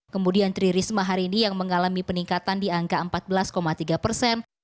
kemudian tri risma hari ini yang mengalami peningkatan di angka empat belas tiga persen